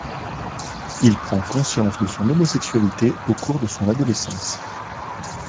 Il prend conscience de son homosexualité au cours de son adolescence.